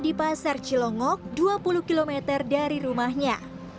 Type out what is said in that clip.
di pasar cilongok dua puluh km dari rumahnya